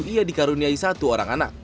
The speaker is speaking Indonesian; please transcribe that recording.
ia dikaruniai satu orang anak